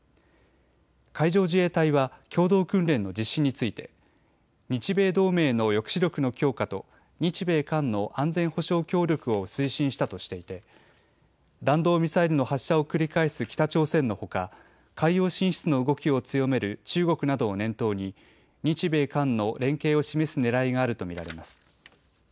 海上自衛隊は共同訓練の実施について日米同盟の抑止力の強化と日米韓の安全保障協力を推進したとしていて弾道ミサイルの発射を繰り返す北朝鮮のほか海洋進出の動きを強める中国などを念頭に日米韓の連携を示すねらいがあると見られます。